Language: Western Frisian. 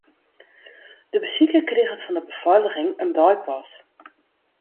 De besiker kriget fan de befeiliging in deipas.